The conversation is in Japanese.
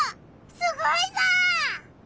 すごいぞ！